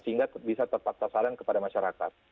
sehingga bisa terpakta salin kepada masyarakat